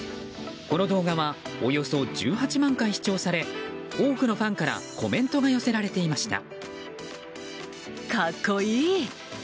この動画はおよそ１８万回視聴され多くのファンからコメントが寄せられていました。